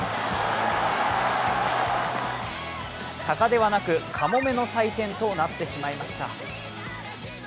鷹ではなくカモメの祭典となってしまいました。